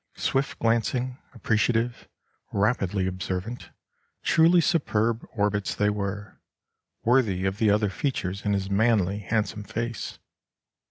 Swift glancing, appreciative, rapidly observant, truly superb orbits they were, worthy of the other features in his manly, handsome face.